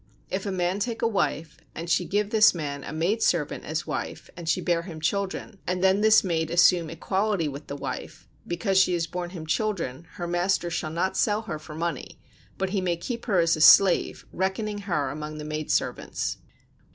If a man take a wife and she give this man a maid servant as wife and she bear him children, and then this maid assume equality with the wife: because she has borne him children her master shall not sell her for money, but he may keep her as a slave, reckoning her among the maid servants.